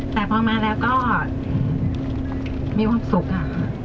แต่พอมาแล้วก็มีความสุขอะค่ะ